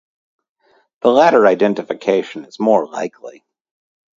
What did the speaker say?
The latter identification is more likely.